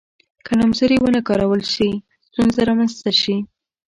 که نومځري ونه کارول شي ستونزه رامنځته شي.